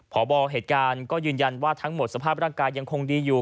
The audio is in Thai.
พบเหตุการณ์ก็ยืนยันว่าทั้งหมดสภาพร่างกายยังคงดีอยู่